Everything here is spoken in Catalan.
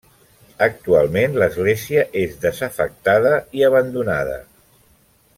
Actualment l'església és desafectada i abandonada.